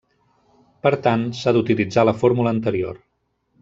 Per tant, s'ha d’utilitzar la fórmula anterior.